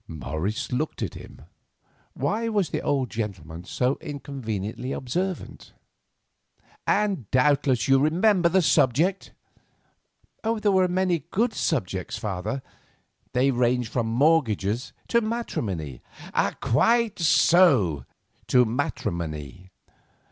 Morris looked at him. Why was the old gentleman so inconveniently observant? "And doubtless you remember the subject?" "There were a good many subjects, father; they ranged from mortgages to matrimony." "Quite so, to matrimony.